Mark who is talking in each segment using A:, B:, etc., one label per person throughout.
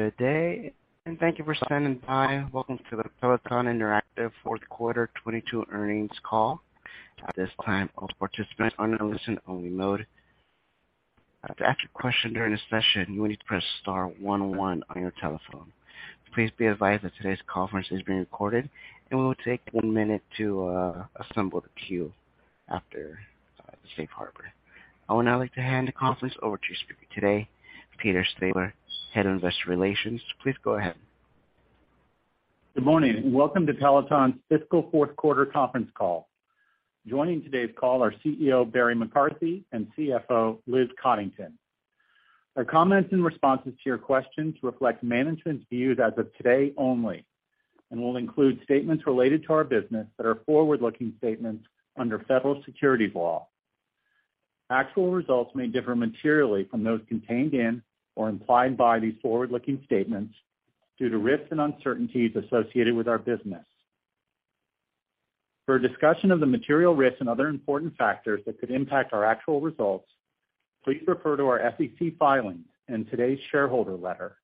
A: Good day, and thank you for standing by. Welcome to the Peloton Interactive fourth quarter 2022 earnings call. At this time, all participants are in a listen only mode. To ask a question during the session, you will need to press star one on your telephone. Please be advised that today's conference is being recorded. We will take one minute to assemble the queue after the safe harbor. I would now like to hand the conference over to your speaker today, Peter Stabler, Head of Investor Relations. Please go ahead.
B: Good morning and welcome to Peloton's fiscal fourth quarter conference call. Joining today's call are CEO Barry McCarthy and CFO Liz Coddington. Our comments and responses to your questions reflect management's views as of today only and will include statements related to our business that are forward-looking statements under federal securities law. Actual results may differ materially from those contained in or implied by these forward-looking statements due to risks and uncertainties associated with our business. For a discussion of the material risks and other important factors that could impact our actual results, please refer to our SEC filings and today's shareholder letter,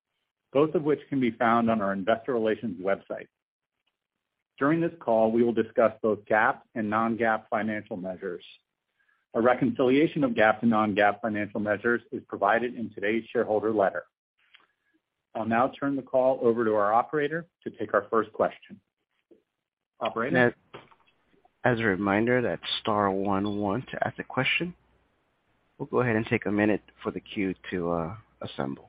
B: both of which can be found on our investor relations website. During this call, we will discuss both GAAP and non-GAAP financial measures. A reconciliation of GAAP to non-GAAP financial measures is provided in today's shareholder letter. I'll now turn the call over to our operator to take our first question. Operator?
A: As a reminder, that's star one one to ask a question. We'll go ahead and take a minute for the queue to assemble.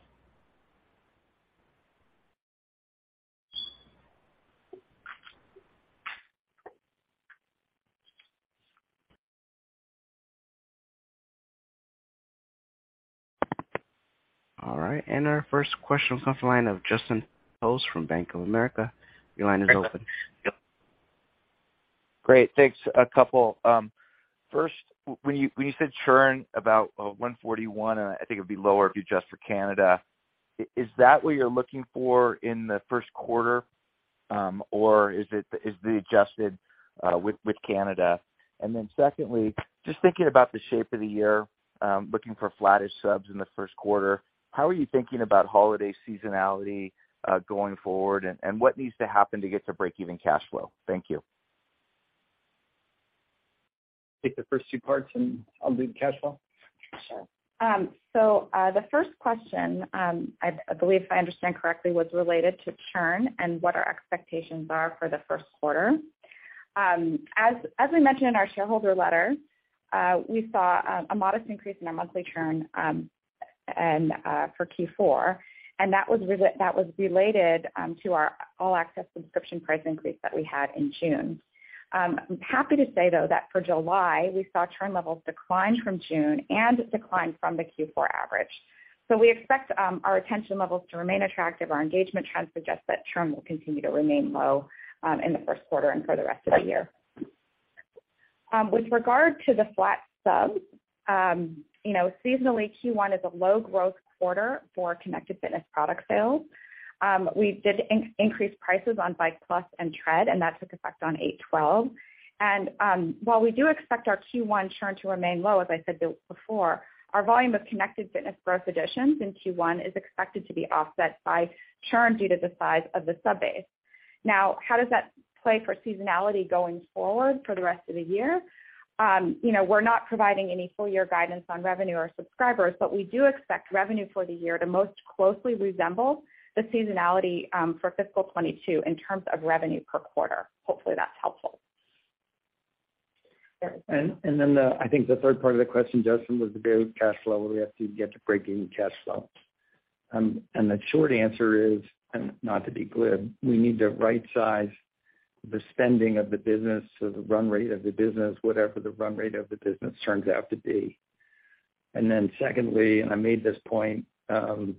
A: All right, our first question will come from the line of Justin Post from Bank of America. Your line is open.
C: Great. Thanks. A couple. First, when you said churn about 141%, I think it would be lower if you adjust for Canada. Is that what you're looking for in the first quarter, or is it the adjusted with Canada? Secondly, just thinking about the shape of the year, looking for flattish subs in the first quarter, how are you thinking about holiday seasonality going forward, and what needs to happen to get to break-even cash flow? Thank you.
D: Take the first two parts and I'll do the cash flow.
E: Sure. The first question, I believe if I understand correctly, was related to churn and what our expectations are for the first quarter. As we mentioned in our shareholder letter, we saw a modest increase in our monthly churn, and for Q4, and that was related to our All-Access subscription price increase that we had in June. Happy to say, though, that for July, we saw churn levels decline from June and decline from the Q4 average. We expect our retention levels to remain attractive. Our engagement trends suggest that churn will continue to remain low in the first quarter and for the rest of the year. With regard to the flat subs, you know, seasonally, Q1 is a low growth quarter for Connected Fitness product sales. We did increase prices on Bike+ and Tread, and that took effect on 8/12/2022. While we do expect our Q1 churn to remain low, as I said before, our volume of Connected Fitness growth additions in Q1 is expected to be offset by churn due to the size of the sub base. Now, how does that play for seasonality going forward for the rest of the year? You know, we're not providing any full year guidance on revenue or subscribers, but we do expect revenue for the year to most closely resemble the seasonality for fiscal 2022 in terms of revenue per quarter. Hopefully, that's helpful.
D: I think the third part of the question, Justin, was the free cash flow. We have to get to breakeven cash flow. The short answer is, and not to be glib, we need to right size the spending of the business. The run rate of the business, whatever the run rate of the business turns out to be. I made this point when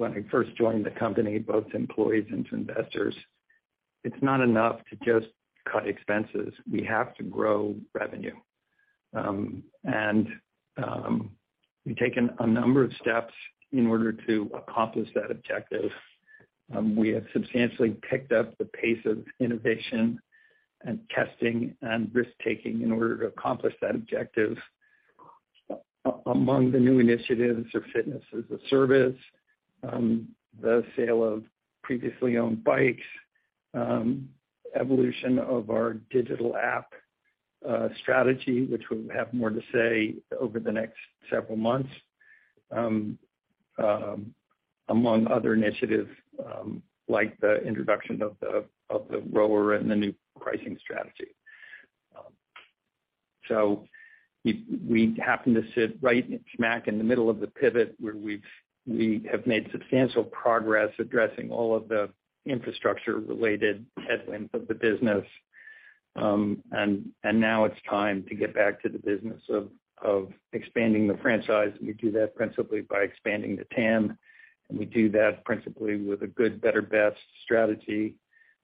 D: I first joined the company, both to employees and to investors. It's not enough to just cut expenses. We have to grow revenue. We've taken a number of steps in order to accomplish that objective. We have substantially picked up the pace of innovation and testing and risk-taking in order to accomplish that objective. Among the new initiatives are Fitness-as-a-Service, the sale of previously owned bikes, evolution of our digital app strategy, which we'll have more to say over the next several months, among other initiatives, like the introduction of the rower and the new pricing strategy. We happen to sit right smack in the middle of the pivot, where we have made substantial progress addressing all of the infrastructure related headwinds of the business. Now it's time to get back to the business of expanding the franchise. We do that principally by expanding the TAM, and we do that principally with a good, better, best strategy,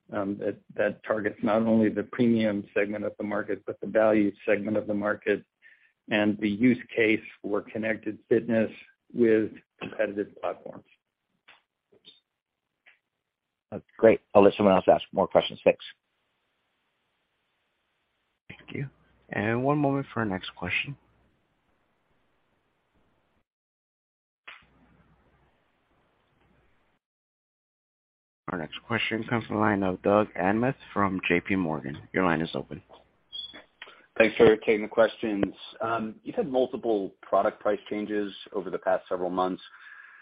D: that targets not only the premium segment of the market, but the value segment of the market, and the use case for Connected Fitness with competitive platforms.
C: That's great. I'll let someone else ask more questions. Thanks.
A: Thank you. One moment for our next question. Our next question comes from the line of Doug Anmuth from J.P. Morgan. Your line is open.
F: Thanks for taking the questions. You've had multiple product price changes over the past several months.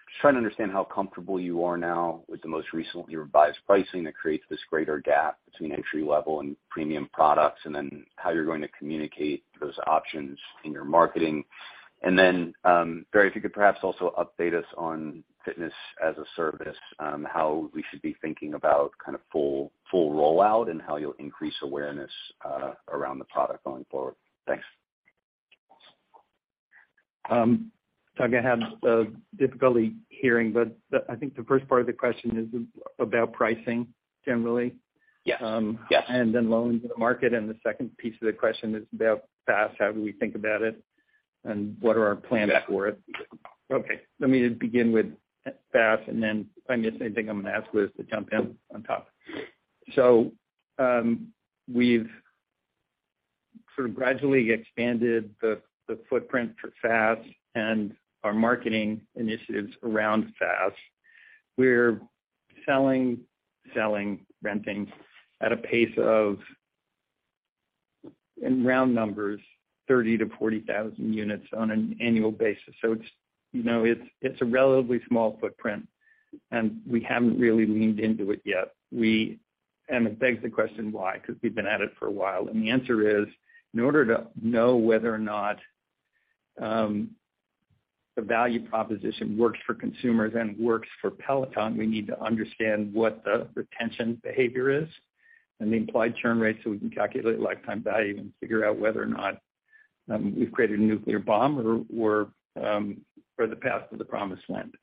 F: Just trying to understand how comfortable you are now with the most recently revised pricing that creates this greater gap between entry level and premium products, and then how you're going to communicate those options in your marketing. Barry, if you could perhaps also update us on Fitness-as-a-Service, how we should be thinking about kind of full rollout and how you'll increase awareness around the product going forward. Thanks.
D: Doug, I have difficulty hearing, but I think the first part of the question is about pricing generally-
F: Yes. Yes.
D: ...loans in the market, and the second piece of the question is about FaaS how do we think about it and what are our plans for it?
F: Yeah.
D: Okay. Let me begin with FaaS, and then if I miss anything, I'm gonna ask Liz to jump in on top. We've sort of gradually expanded the footprint for FaaS and our marketing initiatives around FaaS. We're renting at a pace of, in round numbers, 30,000-40,000 units on an annual basis. It's, you know, a relatively small footprint, and we haven't really leaned into it yet. It begs the question why, because we've been at it for a while. The answer is, in order to know whether or not the value proposition works for consumers and works for Peloton, we need to understand what the retention behavior is and the implied churn rate, so we can calculate lifetime value and figure out whether or not we've created a nuclear bomb or we're for the path to the promised land.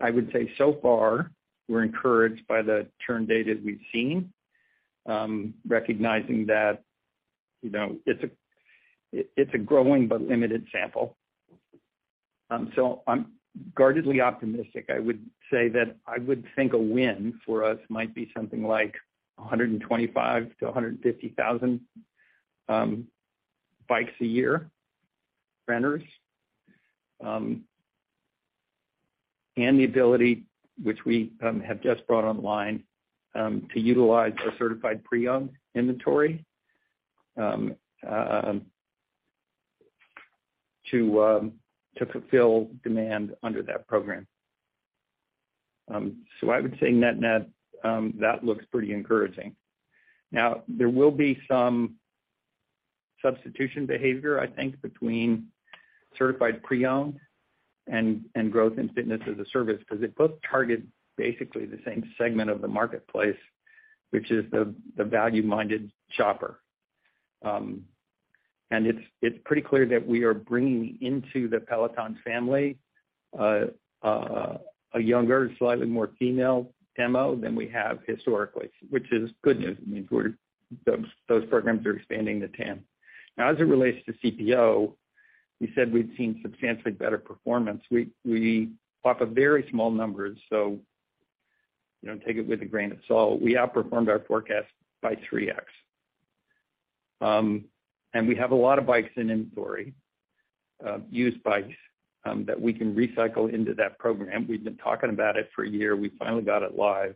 D: I would say so far, we're encouraged by the churn data we've seen, recognizing that, you know, it's a growing but limited sample. I'm guardedly optimistic. I would say that I would think a win for us might be something like 125,000-150,000 bikes a year renters and the ability, which we have just brought online, to utilize our certified pre-owned inventory to fulfill demand under that program. I would say net net that looks pretty encouraging. Now, there will be some substitution behavior, I think, between certified pre-owned and growth in Fitness as a Service because they both target basically the same segment of the marketplace, which is the value-minded shopper. It's pretty clear that we are bringing into the Peloton family a younger, slightly more female demo than we have historically, which is good news. It means those programs are expanding the TAM. Now, as it relates to CPO, we said we'd seen substantially better performance. We talk of very small numbers, so, you know, take it with a grain of salt. We outperformed our forecast by 3x. We have a lot of bikes in inventory, used bikes, that we can recycle into that program. We've been talking about it for a year. We finally got it live.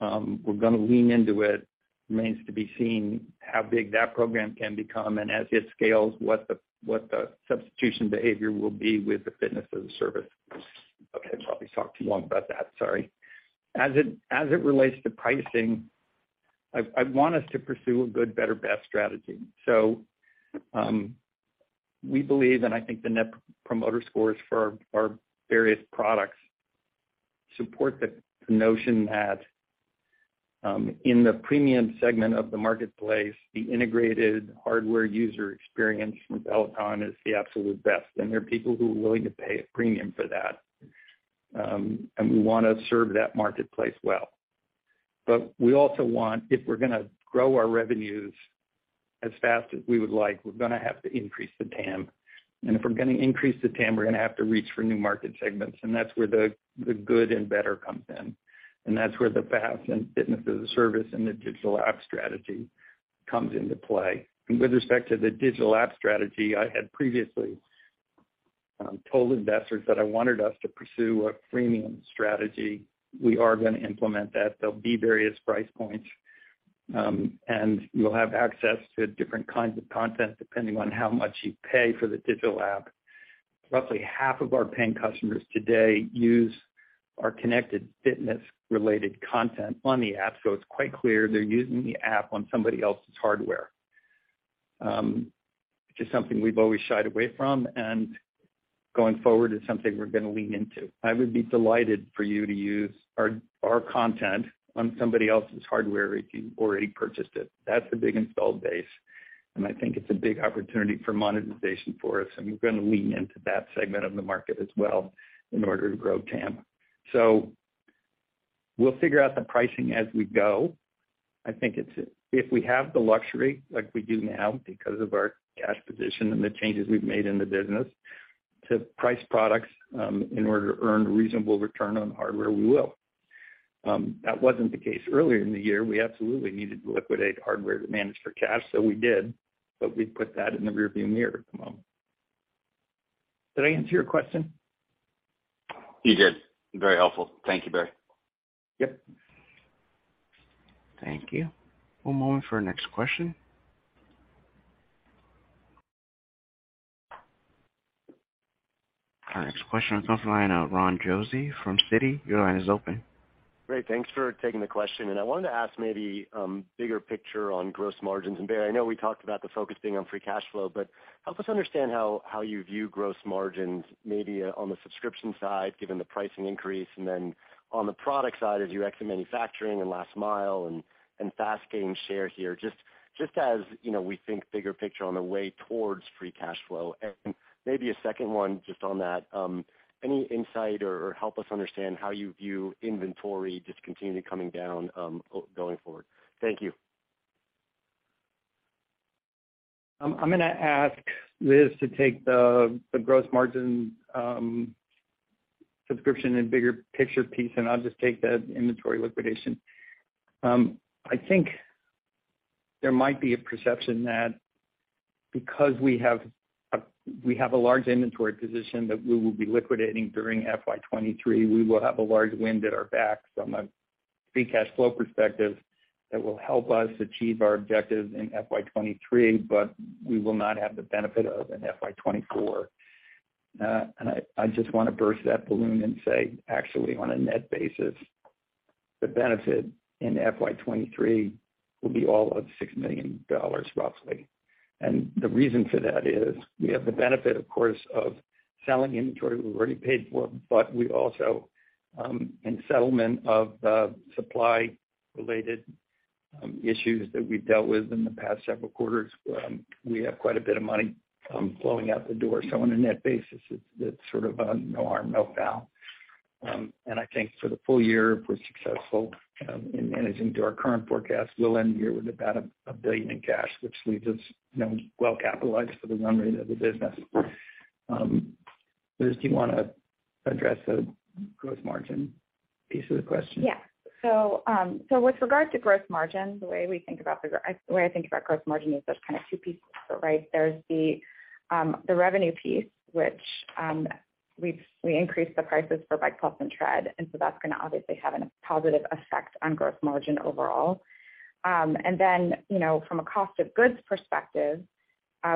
D: We're gonna lean into it. Remains to be seen how big that program can become and as it scales, what the substitution behavior will be with the Fitness-as-a-Service. Okay, I probably talked too long about that. Sorry. As it relates to pricing, I want us to pursue a good, better, best strategy. We believe, and I think the net promoter scores for our various products support the notion that, in the premium segment of the marketplace, the integrated hardware user experience with Peloton is the absolute best. There are people who are willing to pay a premium for that. We wanna serve that marketplace well. We also want, if we're gonna grow our revenues as FaaS as we would like, we're gonna have to increase the TAM. If we're gonna increase the TAM, we're gonna have to reach for new market segments, and that's where the good and better comes in. That's where the FaaS and the digital app strategy comes into play. With respect to the digital app strategy, I had previously told investors that I wanted us to pursue a freemium strategy. We are gonna implement that. There'll be various price points, and you'll have access to different kinds of content depending on how much you pay for the digital app. Roughly half of our paying customers today use our Connected Fitness-related content on the app. It's quite clear they're using the app on somebody else's hardware, which is something we've always shied away from and going forward is something we're gonna lean into. I would be delighted for you to use our content on somebody else's hardware if you've already purchased it. That's a big installed base, and I think it's a big opportunity for monetization for us, and we're gonna lean into that segment of the market as well in order to grow TAM. We'll figure out the pricing as we go. I think if we have the luxury like we do now because of our cash position and the changes we've made in the business to price products, in order to earn a reasonable return on hardware, we will. That wasn't the case earlier in the year. We absolutely needed to liquidate hardware to manage for cash, so we did, but we've put that in the rearview mirror at the moment. Did I answer your question?
F: You did. Very helpful. Thank you, Barry.
D: Yep.
A: Thank you. One moment for our next question. Our next question comes from the line of Ron Josey from Citi. Your line is open.
G: Great. Thanks for taking the question. I wanted to ask maybe, bigger picture on gross margins. Barry, I know we talked about the focus being on free cash flow, but help us understand how you view gross margins, maybe on the subscription side, given the pricing increase. Then on the product side, as you exit manufacturing and last mile and FaaS gaining share here, just as, you know, we think bigger picture on the way towards free cash flow. Maybe a second one just on that, any insight or help us understand how you view inventory just continually coming down, going forward. Thank you.
D: I'm gonna ask Liz to take the gross margin, subscription and bigger picture piece, and I'll just take the inventory liquidation. I think there might be a perception that because we have a large inventory position that we will be liquidating during FY 2023, we will have a large wind at our backs from a free cash flow perspective that will help us achieve our objectives in FY 2023, but we will not have the benefit of in FY 2024. I just wanna burst that balloon and say, actually, on a net basis, the benefit in FY 2023 will be all of $6 million roughly. The reason for that is we have the benefit, of course, of selling inventory we've already paid for, but we also, in settlement of the supply-related issues that we've dealt with in the past several quarters, we have quite a bit of money flowing out the door. So on a net basis, it's sort of a no harm, no foul. I think for the full year, if we're successful in managing to our current forecast, we'll end the year with about $1 billion in cash, which leaves us, you know, well capitalized for the run rate of the business. Liz, do you wanna address the gross margin piece of the question?
E: Yeah. With regard to gross margin, the way we think about the way I think about gross margin is there's kind of two pieces to it, right? There's the revenue piece, which we increased the prices for Bike+ and Tread, and that's gonna obviously have a positive effect on gross margin overall. You know, from a cost of goods perspective,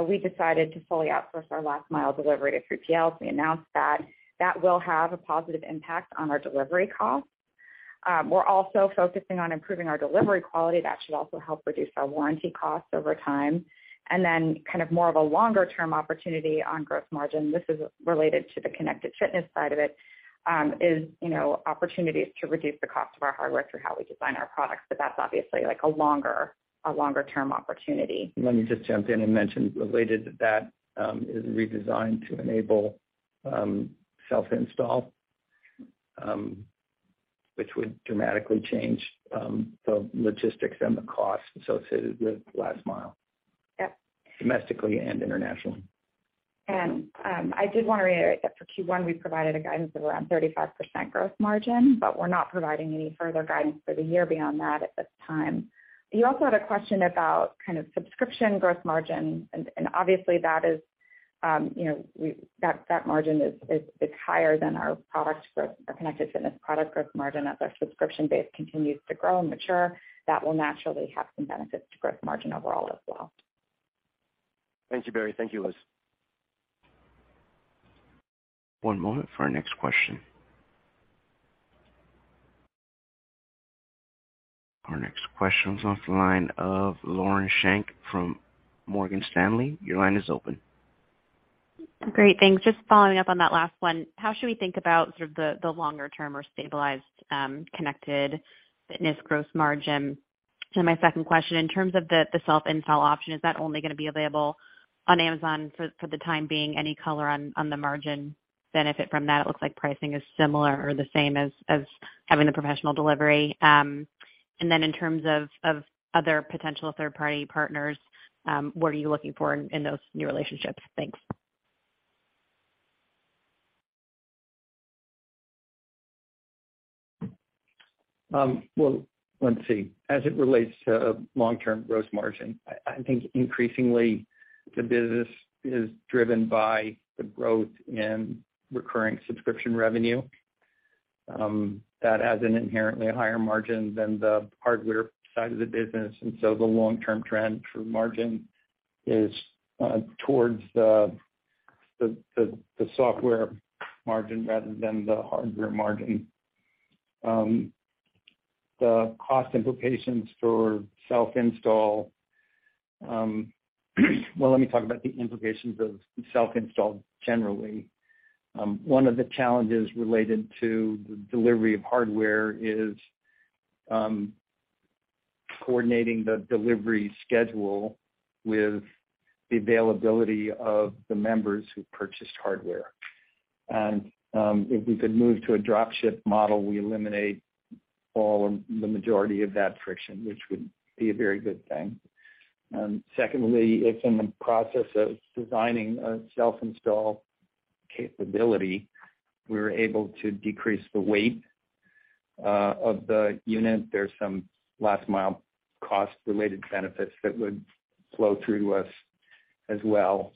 E: we decided to fully outsource our last mile delivery to 3PL, as we announced that. That will have a positive impact on our delivery costs. We're also focusing on improving our delivery quality. That should also help reduce our warranty costs over time. Kind of more of a longer-term opportunity on gross margin. This is related to the Connected Fitness side of it, you know, opportunities to reduce the cost of our hardware through how we design our products. That's obviously, like, a longer-term opportunity.
D: Let me just jump in and mention related to that, is redesigned to enable self-install, which would dramatically change the logistics and the cost associated with last mile.
E: Yep.
D: Domestically and internationally.
E: I did wanna reiterate that for Q1, we provided a guidance of around 35% gross margin, but we're not providing any further guidance for the year beyond that at this time. You also had a question about kind of subscription gross margin, and obviously that is, you know, that margin is higher than our product gross, our Connected Fitness product gross margin. As our subscription base continues to grow and mature, that will naturally have some benefits to gross margin overall as well.
G: Thank you, Barry. Thank you, Liz.
A: One moment for our next question. Our next question is off the line of Lauren Schenk from Morgan Stanley. Your line is open.
H: Great. Thanks. Just following up on that last one, how should we think about sort of the longer term or stabilized Connected Fitness gross margin? And my second question, in terms of the self-install option, is that only gonna be available on Amazon for the time being, any color on the margin benefit from that? It looks like pricing is similar or the same as having the professional delivery. In terms of other potential third-party partners, what are you looking for in those new relationships? Thanks.
D: Well, let's see. As it relates to long-term gross margin, I think increasingly the business is driven by the growth in recurring subscription revenue, that has an inherently higher margin than the hardware side of the business. The long-term trend for margin is towards the software margin rather than the hardware margin. The cost implications for self-install, well, let me talk about the implications of self-install generally. One of the challenges related to the delivery of hardware is coordinating the delivery schedule with the availability of the members who purchased hardware. If we could move to a drop ship model, we eliminate all of the majority of that friction, which would be a very good thing. Secondly, if in the process of designing a self-install capability, we were able to decrease the weight of the unit. There's some last-mile cost-related benefits that would flow through to us as well.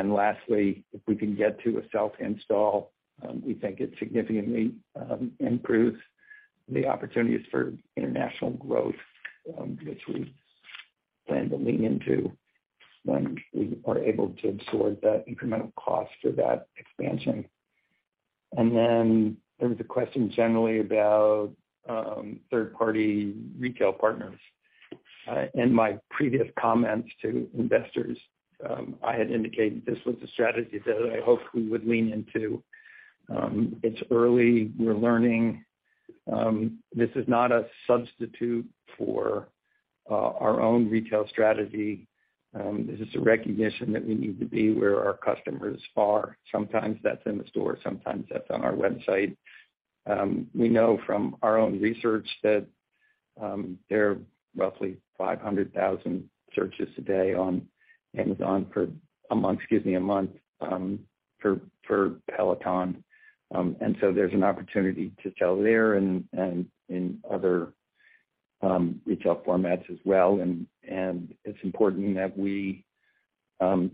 D: Lastly, if we can get to a self-install, we think it significantly improves the opportunities for international growth, which we plan to lean into when we are able to absorb the incremental cost for that expansion. There was a question generally about third-party retail partners. In my previous comments to investors, I had indicated this was a strategy that I hoped we would lean into. It's early. We're learning. This is not a substitute for our own retail strategy. This is a recognition that we need to be where our customers are. Sometimes that's in the store, sometimes that's on our website. We know from our own research that there are roughly 500,000 searches a month on Amazon for Peloton. There's an opportunity to sell there and in other retail formats as well. It's important that we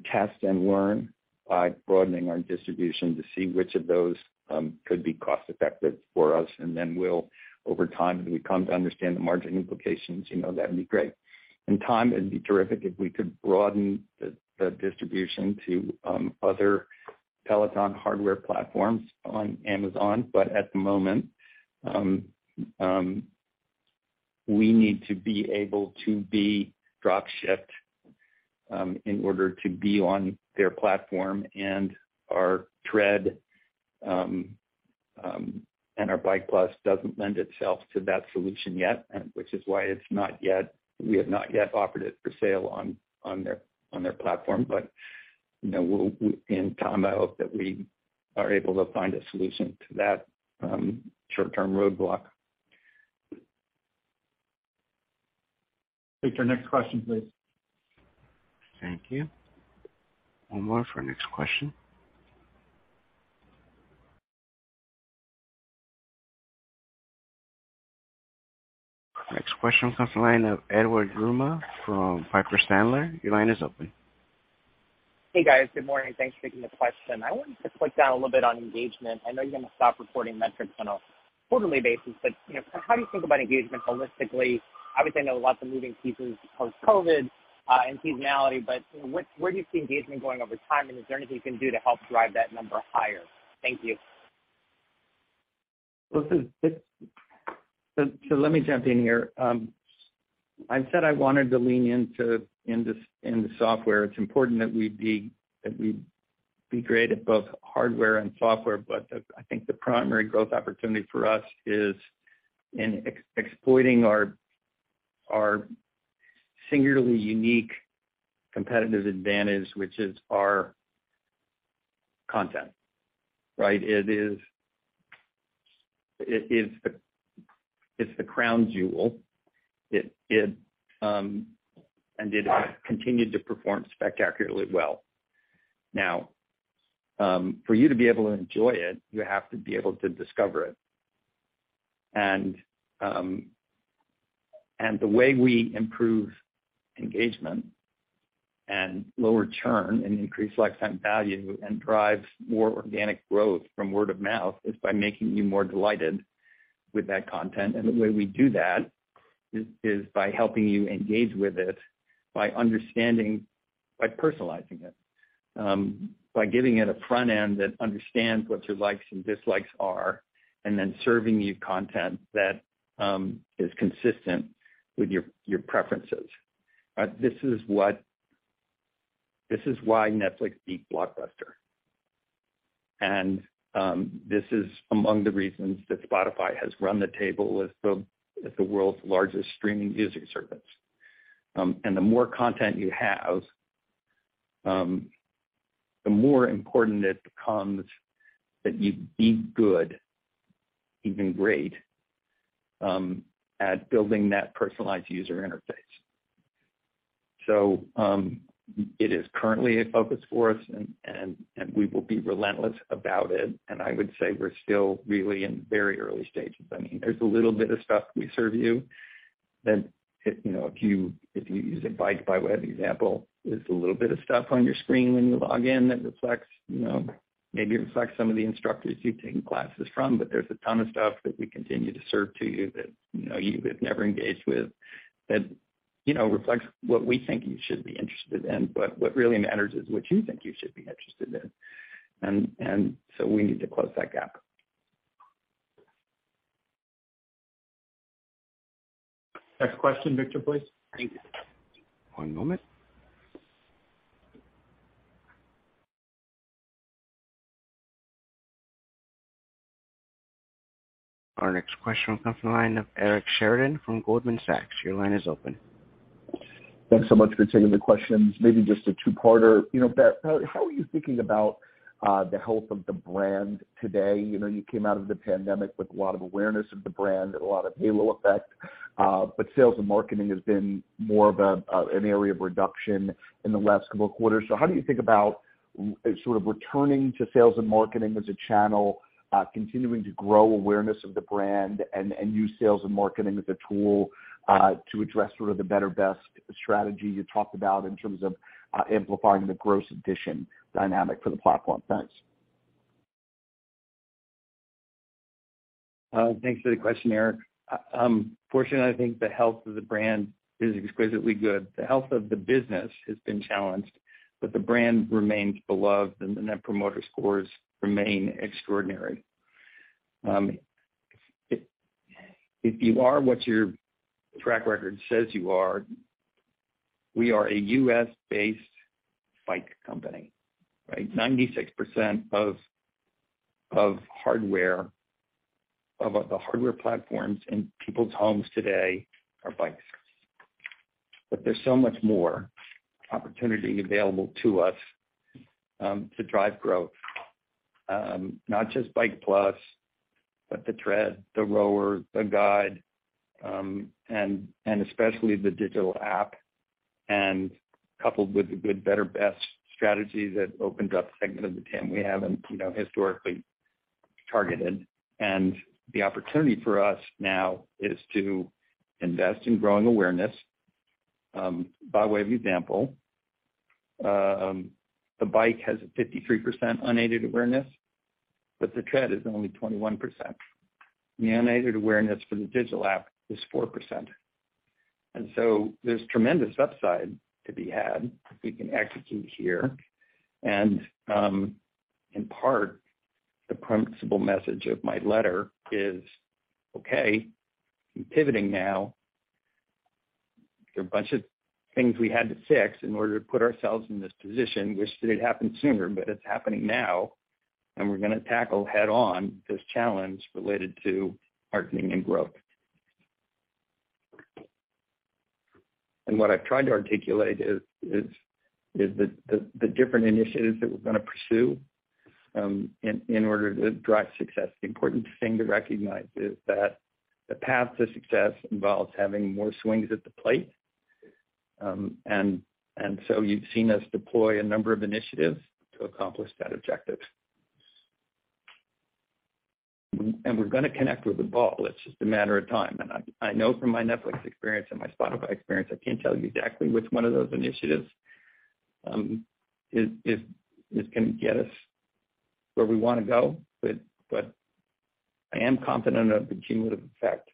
D: test and learn by broadening our distribution to see which of those could be cost-effective for us. Then we'll, over time, as we come to understand the margin implications, you know, that'd be great. In time, it'd be terrific if we could broaden the distribution to other Peloton hardware platforms on Amazon. At the moment, we need to be able to be drop shipped in order to be on their platform and our Bike+ doesn't lend itself to that solution yet, and which is why we have not yet offered it for sale on their platform. You know, in time, I hope that we are able to find a solution to that short-term roadblock. Take your next question, please.
A: Thank you. One moment for our next question. Our next question comes from the line of Edward Yruma from Piper Sandler. Your line is open.
I: Hey, guys. Good morning. Thanks for taking the question. I wanted to click down a little bit on engagement. I know you're gonna stop reporting metrics on a quarterly basis, but, you know, how do you think about engagement holistically? Obviously, I know lots of moving pieces post-COVID, and seasonality, but, you know, where do you see engagement going over time, and is there anything you can do to help drive that number higher? Thank you.
D: Let me jump in here. I said I wanted to lean into the software. It's important that we be great at both hardware and software. I think the primary growth opportunity for us is in exploiting our singularly unique competitive advantage, which is our content, right? It is the crown jewel. It continued to perform spectacularly well. Now, for you to be able to enjoy it, you have to be able to discover it. The way we improve engagement and lower churn and increase lifetime value and drive more organic growth from word of mouth is by making you more delighted with that content. The way we do that is by helping you engage with it, by understanding, by personalizing it, by giving it a front end that understands what your likes and dislikes are, and then serving you content that is consistent with your preferences, right? This is why Netflix beat Blockbuster. This is among the reasons that Spotify has run the table as the world's largest streaming music service. The more content you have, the more important it becomes that you be good, even great, at building that personalized user interface. It is currently a focus for us and we will be relentless about it. I would say we're still really in very early stages. I mean, there's a little bit of stuff we serve you that, you know, if you use the Bike by way of example, there's a little bit of stuff on your screen when you log in that reflects, you know, maybe reflects some of the instructors you've taken classes from. But there's a ton of stuff that we continue to serve to you that, you know, you have never engaged with that, you know, reflects what we think you should be interested in. But what really matters is what you think you should be interested in. So we need to close that gap. Next question, Victor, please. Thank you.
A: One moment. Our next question comes from the line of Eric Sheridan from Goldman Sachs. Your line is open.
J: Thanks so much for taking the questions. Maybe just a two-parter. You know, Barry, how are you thinking about the health of the brand today? You know, you came out of the pandemic with a lot of awareness of the brand, a lot of halo effect, but sales and marketing has been more of an area of reduction in the last couple of quarters. How do you think about sort of returning to sales and marketing as a channel, continuing to grow awareness of the brand and use sales and marketing as a tool to address sort of the better, best strategy you talked about in terms of amplifying the gross addition dynamic for the platform? Thanks.
D: Thanks for the question, Eric. Fortunately, I think the health of the brand is exquisitely good. The health of the business has been challenged, but the brand remains beloved, and the net promoter scores remain extraordinary. If you are what your track record says you are, we are a U.S.-based bike company, right? 96% of the hardware platforms in people's homes today are bikes. But there's so much more opportunity available to us to drive growth. Not just Bike+, but the Tread, the Rower, the Guide, and especially the digital app, and coupled with the good, better, best strategy that opened up a segment of the TAM we haven't you know historically targeted. The opportunity for us now is to invest in growing awareness. By way of example, the Bike has a 53% unaided awareness, but the Tread is only 21%. The unaided awareness for the digital app is 4%. There's tremendous upside to be had if we can execute here. In part, the principal message of my letter is, okay, we're pivoting now. There are a bunch of things we had to fix in order to put ourselves in this position. Wish that it happened sooner, but it's happening now, and we're gonna tackle head on this challenge related to marketing and growth. What I've tried to articulate is the different initiatives that we're gonna pursue in order to drive success. The important thing to recognize is that the path to success involves having more swings at the plate. So you've seen us deploy a number of initiatives to accomplish that objective. We're gonna connect with the ball. It's just a matter of time. I know from my Netflix experience and my Spotify experience, I can't tell you exactly which one of those initiatives is gonna get us where we wanna go, but I am confident of the cumulative effect.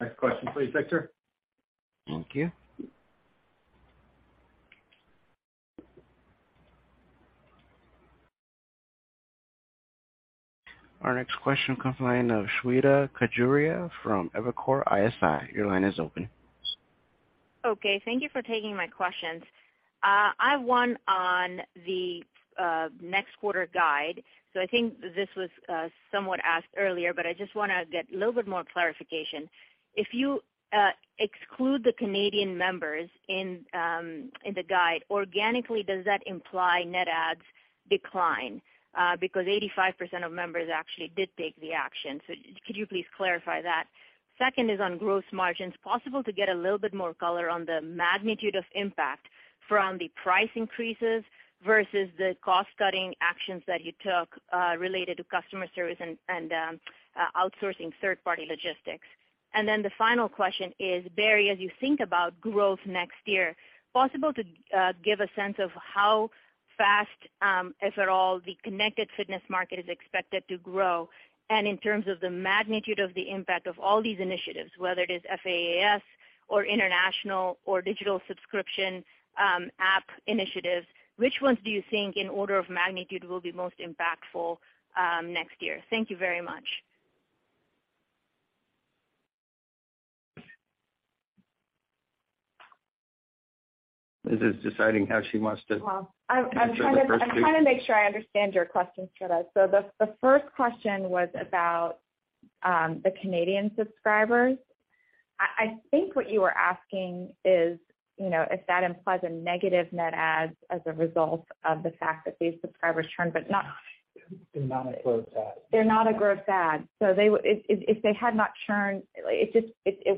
D: Next question, please, Victor. Thank you.
A: Our next question comes from the line of Shweta Khajuria from Evercore ISI. Your line is open.
K: Okay. Thank you for taking my questions. I have one on the next quarter guide. I think this was somewhat asked earlier, but I just wanna get a little bit more clarification. If you exclude the Canadian members in the guide, organically, does that imply net adds decline? Because 85% of members actually did take the action. Could you please clarify that? Second is on gross margins. Possible to get a little bit more color on the magnitude of impact from the price increases versus the cost-cutting actions that you took related to customer service and outsourcing third-party logistics. The final question is, Barry, as you think about growth next year, possible to give a sense of how FaaS, if at all, the connected fitness market is expected to grow? In terms of the magnitude of the impact of all these initiatives, whether it is FaaS or international or digital subscription, app initiatives, which ones do you think in order of magnitude will be most impactful, next year? Thank you very much.
D: Liz is deciding how she wants to-
E: Well, I'm-
D: ...answer the first two.
E: ...I'm trying to make sure I understand your question, Shweta. The first question was about the Canadian subscribers. I think what you were asking is, you know, if that implies a negative net adds as a result of the fact that these subscribers churned, but not-
D: They're not a gross add.
E: They're not a gross add. If they had not churned, it just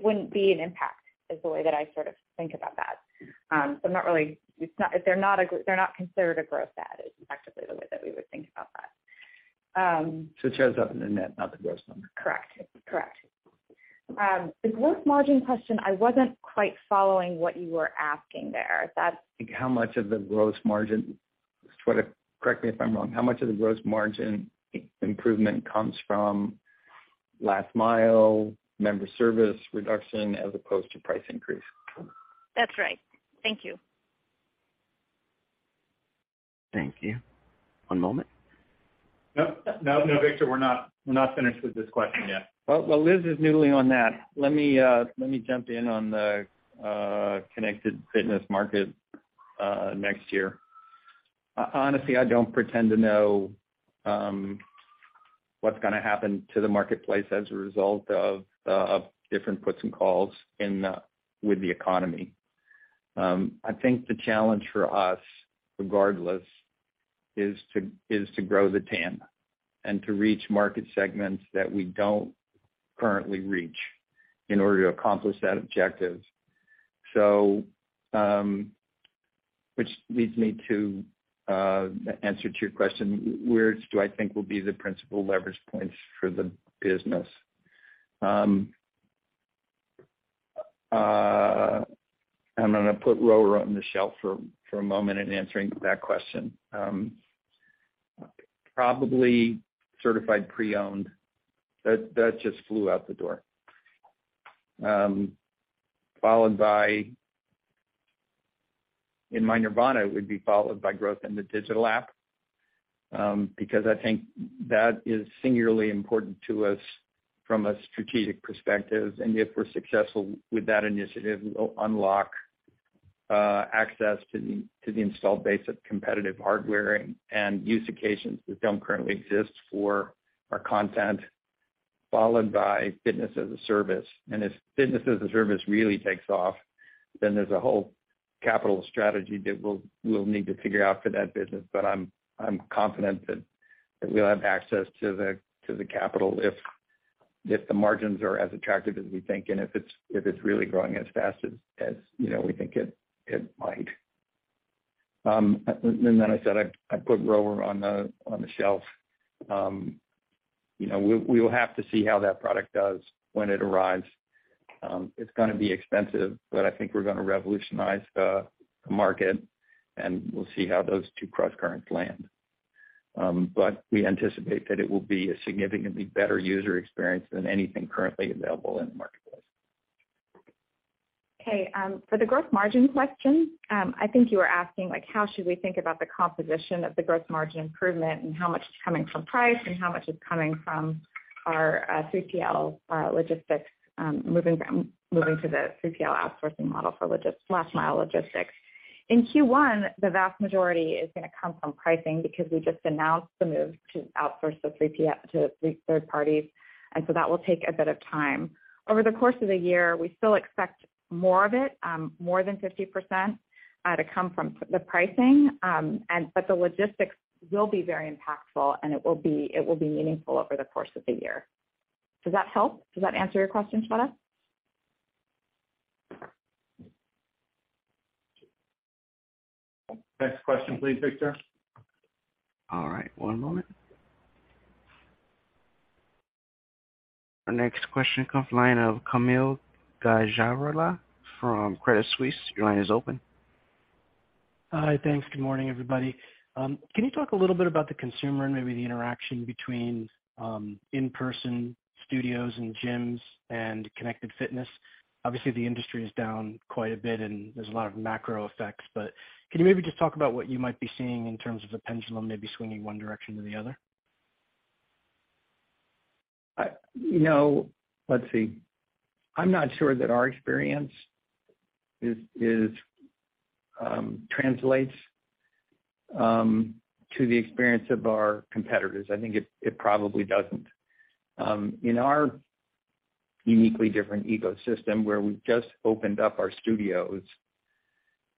E: wouldn't be an impact, is the way that I sort of think about that. They're not considered a gross add, is effectively the way that we would think about that.
D: It shows up in the net, not the gross number.
E: Correct. The gross margin question, I wasn't quite following what you were asking there.
D: Shweta, correct me if I'm wrong. How much of the gross margin improvement comes from last mile member service reduction as opposed to price increase?
K: That's right. Thank you.
A: Thank you. One moment.
D: No, Victor, we're not finished with this question yet. Well, while Liz is noodling on that, let me jump in on the Connected Fitness market next year. Honestly, I don't pretend to know what's gonna happen to the marketplace as a result of different puts and takes with the economy. I think the challenge for us regardless is to grow the TAM and to reach market segments that we don't currently reach in order to accomplish that objective. Which leads me to the answer to your question, where do I think will be the principal leverage points for the business? I'm gonna put Rowers on the shelf for a moment in answering that question. Probably certified pre-owned. That just flew out the door. In my nirvana, it would be followed by growth in the digital app, because I think that is singularly important to us from a strategic perspective. If we're successful with that initiative, we'll unlock access to the installed base of competitive hardware and use occasions that don't currently exist for our content, followed by Fitness-as-a-Service. If Fitness-as-a-Service really takes off, then there's a whole capital strategy that we'll need to figure out for that business. I'm confident that we'll have access to the capital if the margins are as attractive as we think and if it's really growing as FaaS, as you know, we think it might. I said I put Rowers on the shelf. You know, we will have to see how that product does when it arrives. It's gonna be expensive, but I think we're gonna revolutionize the market, and we'll see how those two crosscurrents land. We anticipate that it will be a significantly better user experience than anything currently available in the marketplace.
E: For the growth margin question, I think you were asking like how should we think about the composition of the growth margin improvement and how much is coming from price and how much is coming from our 3PL logistics moving to the 3PL outsourcing model for last mile logistics. In Q1, the vast majority is gonna come from pricing because we just announced the move to outsource the 3PL to third parties. That will take a bit of time. Over the course of the year, we still expect more of it, more than 50% to come from the pricing. The logistics will be very impactful, and it will be meaningful over the course of the year. Does that help? Does that answer your question, Shweta?
D: Next question please, Victor.
A: All right. One moment. Our next question comes from the line of Kaumil Gajrawala from Credit Suisse. Your line is open.
L: Hi. Thanks. Good morning, everybody. Can you talk a little bit about the consumer and maybe the interaction between, in-person studios and gyms and Connected Fitness? Obviously, the industry is down quite a bit, and there's a lot of macro effects, but can you maybe just talk about what you might be seeing in terms of the pendulum maybe swinging one direction or the other?
D: You know, let's see. I'm not sure that our experience translates to the experience of our competitors. I think it probably doesn't. In our uniquely different ecosystem, where we've just opened up our studios,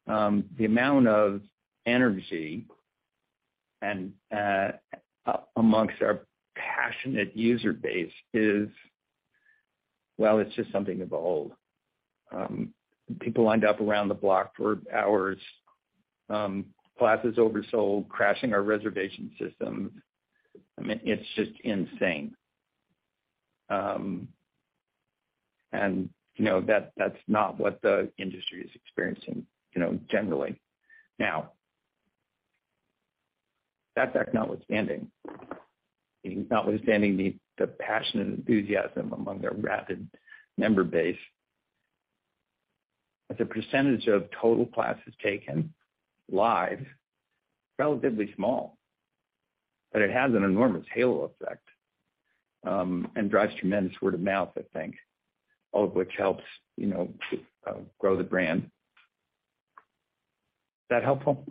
D: the amount of energy and among our passionate user base is, well, it's just something to behold. People lined up around the block for hours, classes oversold, crashing our reservation system. I mean, it's just insane. You know, that's not what the industry is experiencing, you know, generally. Now, that said, notwithstanding the passion and enthusiasm among their rabid member base, as a percentage of total classes taken live, relatively small, but it has an enormous halo effect and drives tremendous word of mouth, I think, all of which helps, you know, grow the brand. Is that helpful?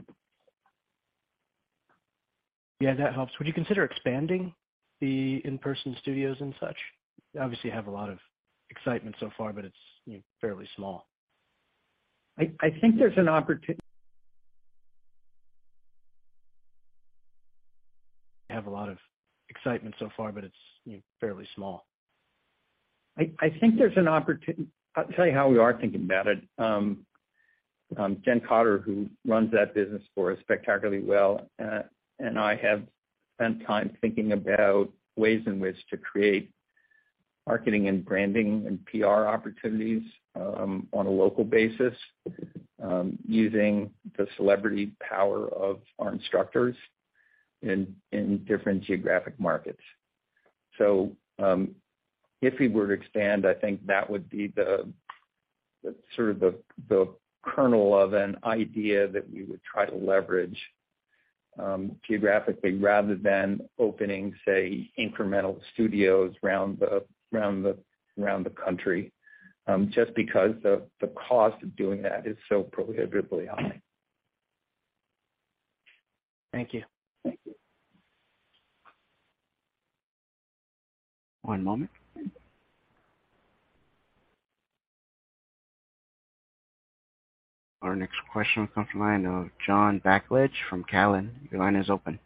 L: Yeah, that helps. Would you consider expanding the in-person studios and such? You obviously have a lot of excitement so far, but it's, you know, fairly small. Have a lot of excitement so far, but it's, you know, fairly small.
D: I think there's an opportunity. I'll tell you how we are thinking about it. Jennifer Cotter, who runs that business for us spectacularly well, and I have spent time thinking about ways in which to create marketing and branding and PR opportunities, on a local basis, using the celebrity power of our instructors in different geographic markets. If we were to expand, I think that would be the sort of kernel of an idea that we would try to leverage, geographically rather than opening, say, incremental studios around the country. Just because the cost of doing that is so prohibitively high.
L: Thank you.
D: Thank you.
A: One moment. Our next question comes from the line of John Blackledge from Cowen. Your line is open.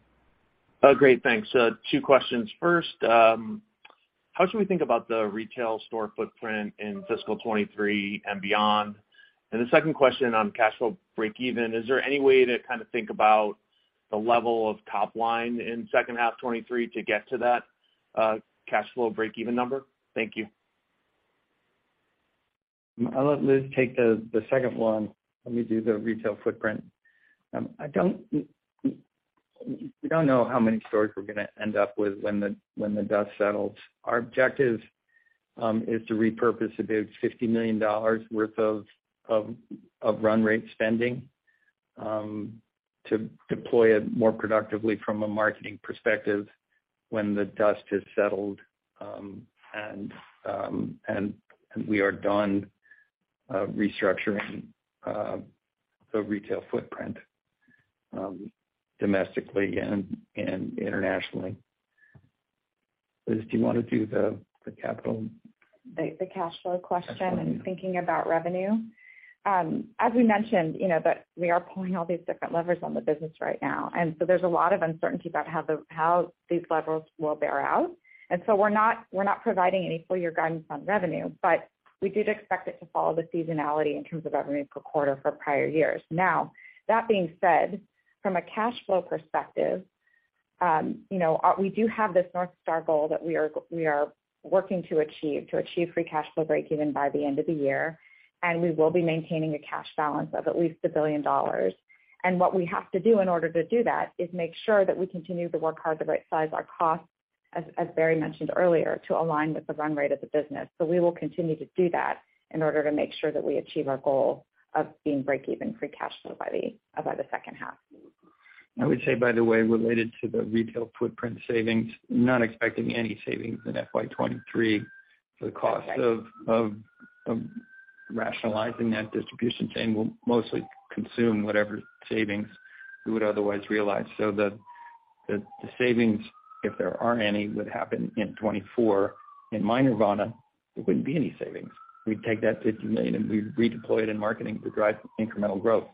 M: Oh, great. Thanks. Two questions. First, how should we think about the retail store footprint in fiscal 2023 and beyond? The second question on cash flow breakeven, is there any way to kind of think about the level of top line in second half 2023 to get to that, cash flow breakeven number? Thank you.
D: I'll let Liz take the second one. Let me do the retail footprint. We don't know how many stores we're gonna end up with when the dust settles. Our objective is to repurpose about $50 million worth of run rate spending to deploy it more productively from a marketing perspective when the dust has settled, and we are done restructuring the retail footprint domestically and internationally. Liz, do you wanna do the capital?
E: The cash flow question and thinking about revenue? As we mentioned, you know, that we are pulling all these different levers on the business right now, and so there's a lot of uncertainty about how these levers will bear out. We're not providing any full year guidance on revenue, but we did expect it to follow the seasonality in terms of revenue per quarter for prior years. Now, that being said, from a cash flow perspective, we do have this North Star goal that we are working to achieve free cash flow breakeven by the end of the year, and we will be maintaining a cash balance of at least $1 billion. What we have to do in order to do that is make sure that we continue to work hard to right size our costs, as Barry mentioned earlier, to align with the run rate of the business. We will continue to do that in order to make sure that we achieve our goal of being breakeven free cash flow by the second half.
D: I would say by the way, related to the retail footprint savings, not expecting any savings in FY 2023. The cost of rationalizing that distribution chain will mostly consume whatever savings we would otherwise realize. The savings, if there are any, would happen in 2024. In my nirvana, there wouldn't be any savings. We'd take that $50 million, and we'd redeploy it in marketing to drive incremental growth.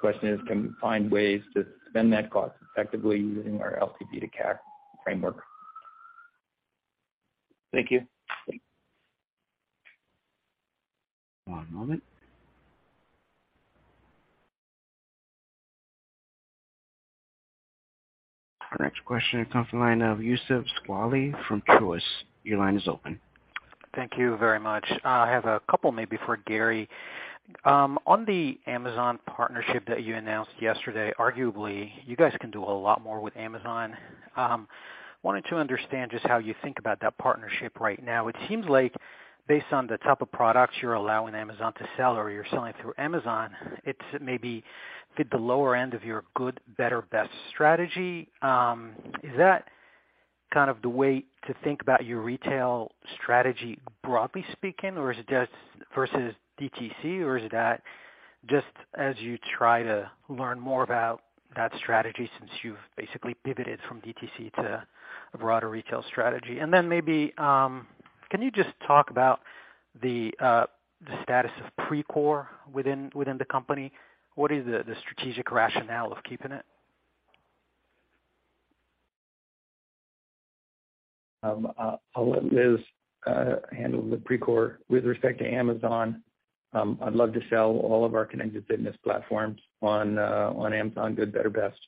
D: The question is, can we find ways to spend that cost effectively using our LTV to CAC framework?
M: Thank you.
D: Thanks.
A: One moment. Our next question comes from the line of Youssef Squali from Truist. Your line is open.
N: Thank you very much. I have a couple maybe for Barry. On the Amazon partnership that you announced yesterday, arguably you guys can do a lot more with Amazon. Wanted to understand just how you think about that partnership right now. It seems like based on the type of products you're allowing Amazon to sell or you're selling through Amazon, it's maybe fit the lower end of your good, better, best strategy. Is that kind of the way to think about your retail strategy broadly speaking, or is it just versus DTC, or is that just as you try to learn more about that strategy since you've basically pivoted from DTC to a broader retail strategy? Then maybe, can you just talk about the status of Precor within the company? What is the strategic rationale of keeping it?
D: I'll let Liz handle the Precor. With respect to Amazon, I'd love to sell all of our connected fitness platforms on Amazon good, better, best.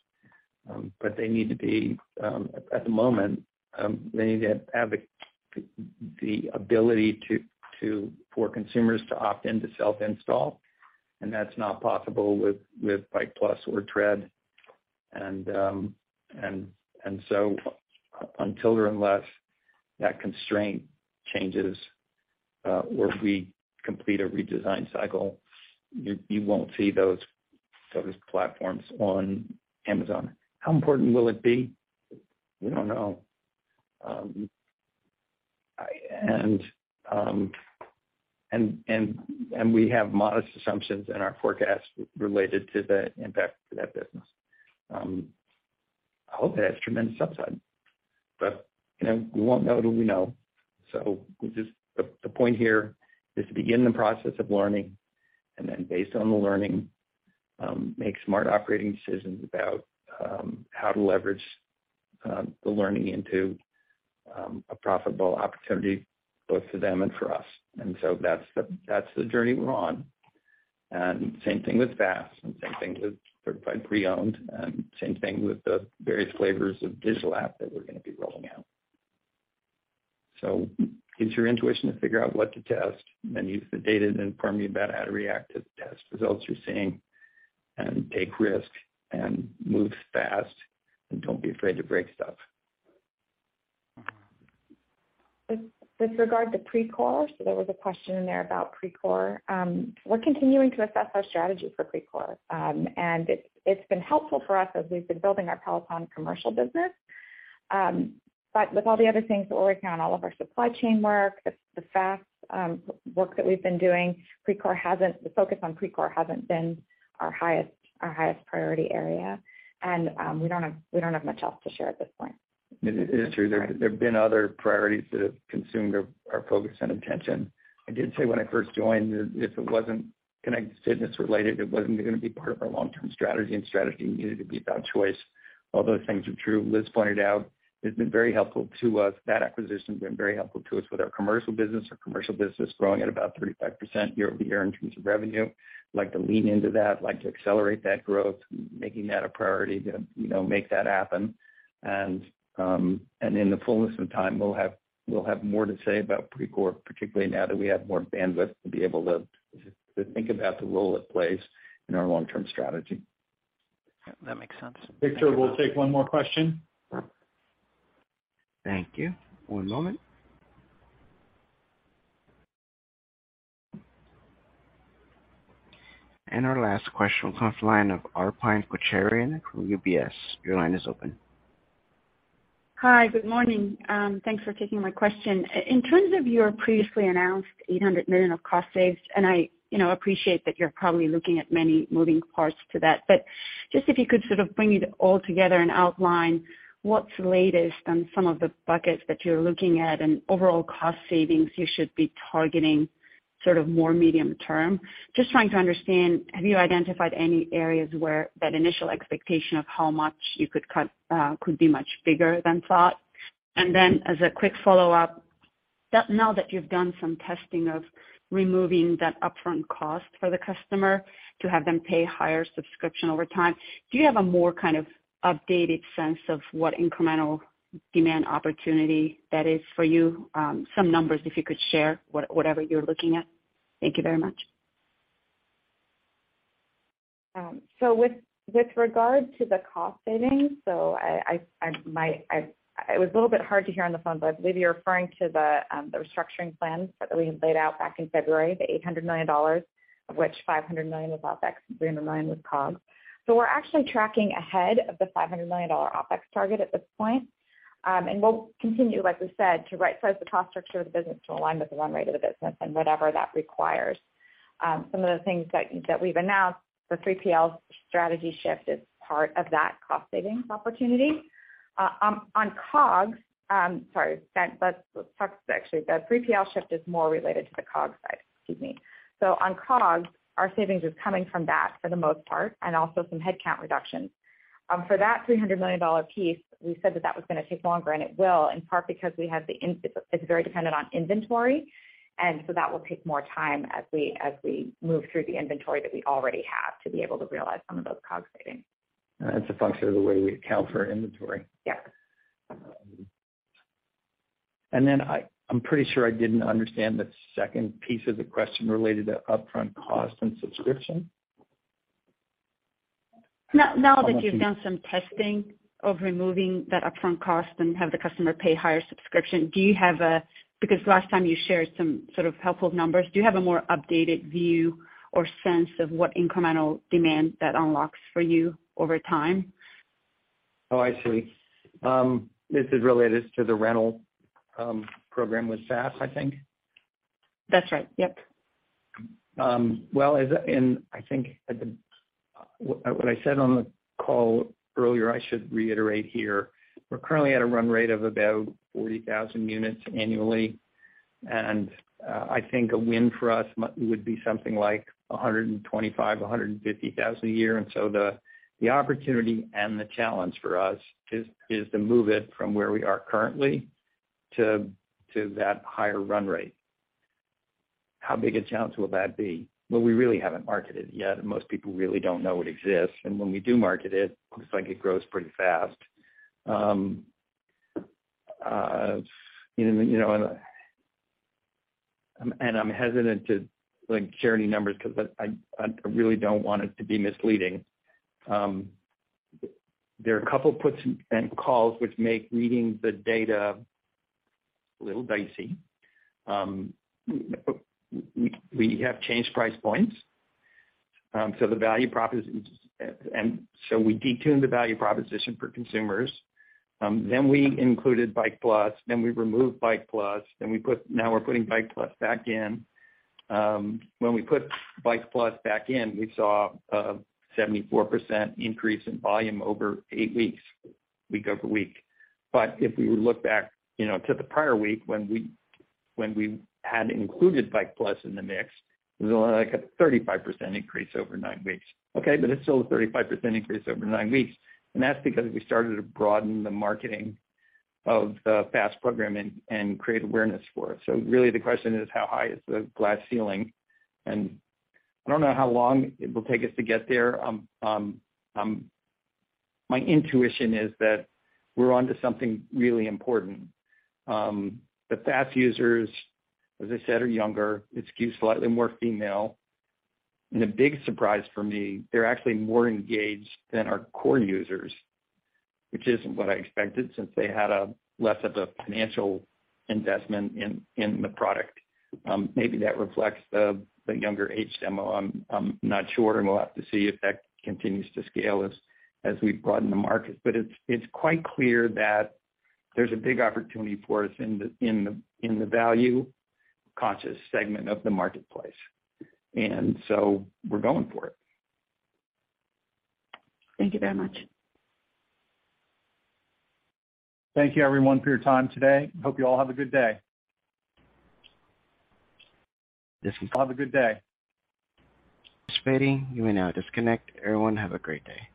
D: But they need to be. At the moment, they need to have the ability for consumers to opt in to self-install, and that's not possible with Bike+ or Tread. And so until or unless that constraint changes, or if we complete a redesign cycle, you won't see those platforms on Amazon. How important will it be? We don't know. And we have modest assumptions in our forecast related to the impact to that business. I hope that has tremendous upside but, you know, we won't know till we know. We just. The point here is to begin the process of learning and then based on the learning, make smart operating decisions about how to leverage the learning into a profitable opportunity both for them and for us. That's the journey we're on. Same thing with FaaS and same thing with Certified Pre-Owned, and same thing with the various flavors of digital app that we're gonna be rolling out. Use your intuition to figure out what to test, then use the data to inform you about how to react to the test results you're seeing, and take risks and move fast and don't be afraid to break stuff.
E: With regard to Precor, there was a question in there about Precor. We're continuing to assess our strategy for Precor. It's been helpful for us as we've been building our Peloton commercial business. With all the other things that we're working on, all of our supply chain work, the FaaS work that we've been doing, the focus on Precor hasn't been our highest priority area. We don't have much else to share at this point.
D: It is true. There have been other priorities that have consumed our focus and attention. I did say when I first joined that if it wasn't Connected Fitness related, it wasn't gonna be part of our long-term strategy, and strategy needed to be about choice. All those things are true. Liz pointed out it's been very helpful to us. That acquisition's been very helpful to us with our commercial business. Our commercial business is growing at about 35% year-over-year in terms of revenue. Like to lean into that, like to accelerate that growth, making that a priority to, you know, make that happen. In the fullness of time, we'll have more to say about Precor, particularly now that we have more bandwidth to be able to think about the role it plays in our long-term strategy.
A: That makes sense.
D: Victor, we'll take one more question.
A: Thank you. One moment. Our last question will come from the line of Arpine Kocharyan from UBS. Your line is open.
O: Hi. Good morning. Thanks for taking my question. In terms of your previously announced $800 million of cost savings, you know, I appreciate that you're probably looking at many moving parts to that, but just if you could sort of bring it all together and outline what's latest on some of the buckets that you're looking at and overall cost savings you should be targeting sort of more medium term. Just trying to understand, have you identified any areas where that initial expectation of how much you could cut could be much bigger than thought? And then as a quick follow-up, now that you've done some testing of removing that upfront cost for the customer to have them pay higher subscription over time, do you have a more kind of updated sense of what incremental demand opportunity that is for you? Some numbers if you could share, whatever you're looking at. Thank you very much.
E: With regard to the cost savings, it was a little bit hard to hear on the phone, but I believe you're referring to the restructuring plans that we had laid out back in February, the $800 million, of which $500 million was OpEx, $300 million was COGS. We're actually tracking ahead of the $500 million OpEx target at this point. We'll continue, like we said, to rightsize the cost structure of the business to align with the run rate of the business and whatever that requires. Some of the things that we've announced, the 3PL strategy shift is part of that cost savings opportunity. On COGS, sorry, let's talk actually, the 3PL shift is more related to the COGS side. Excuse me. On COGS, our savings is coming from that for the most part, and also some headcount reductions. For that $300 million piece, we said that was gonna take longer, and it will, in part because it's very dependent on inventory, and so that will take more time as we move through the inventory that we already have to be able to realize some of those COGS savings.
D: It's a function of the way we account for inventory.
E: Yes.
D: I'm pretty sure I didn't understand the second piece of the question related to upfront cost and subscription.
O: Now that you've done some testing of removing that upfront cost and have the customer pay higher subscription, because last time you shared some sort of helpful numbers, do you have a more updated view or sense of what incremental demand that unlocks for you over time?
D: Oh, I see. This is related to the rental program with FaaS, I think.
O: That's right. Yep.
D: Well, I think what I said on the call earlier, I should reiterate here. We're currently at a run rate of about 40,000 units annually, and I think a win for us would be something like 125,000-150,000 a year. The opportunity and the challenge for us is to move it from where we are currently to that higher run rate. How big a challenge will that be? Well, we really haven't marketed yet. Most people really don't know it exists. When we do market it looks like it grows pretty fast. You know, I'm hesitant to like share any numbers 'cause I really don't want it to be misleading. There are a couple puts and calls which make reading the data a little dicey. We have changed price points, so the value proposition. We detuned the value proposition for consumers. Then we included Bike+, then we removed Bike+, now we're putting Bike+ back in. When we put Bike+ back in, we saw a 74% increase in volume over eight weeks, week over week. If we look back, you know, to the prior week when we had included Bike+ in the mix, it was only like a 35% increase over nine weeks. It's still a 35% increase over nine weeks. That's because we started to broaden the marketing of the FaaS program and create awareness for it. Really the question is how high is the glass ceiling? I don't know how long it will take us to get there. My intuition is that we're onto something really important. The FaaS users, as I said, are younger. It skews slightly more female. A big surprise for me, they're actually more engaged than our core users, which isn't what I expected since they had a less of a financial investment in the product. Maybe that reflects the younger age demo. I'm not sure, and we'll have to see if that continues to scale as we broaden the market. It's quite clear that there's a big opportunity for us in the value-conscious segment of the marketplace. We're going for it.
O: Thank you very much.
D: Thank you everyone for your time today. Hope you all have a good day.
A: This concludes.
D: Have a good day.
A: Thanks for waiting. You may now disconnect. Everyone have a great day.